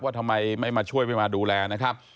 ทำไมไม่มาช่วยไม่มาดูแลนะครับ